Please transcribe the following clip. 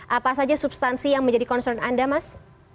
apa saja substansi yang menjadi concern anda mas